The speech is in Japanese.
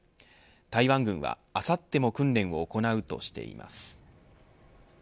台湾軍はあさっても訓練を行うとしています。